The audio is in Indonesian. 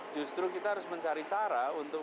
justru kita harus mencari cara untuk